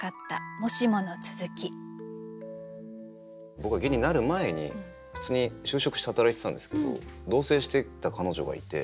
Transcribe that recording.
僕は芸人になる前に普通に就職して働いてたんですけど同棲してた彼女がいて。